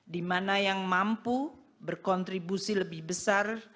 dimana yang mampu berkontribusi lebih besar